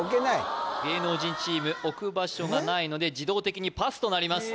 芸能人チーム置く場所がないので自動的にパスとなります